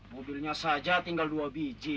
mobilnya saja tinggal dua biji